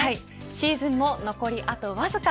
シーズンも残りあとわずか。